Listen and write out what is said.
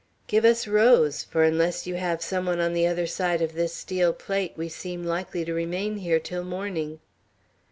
"Give us rose, for unless you have some one on the other side of this steel plate, we seem likely to remain here till morning."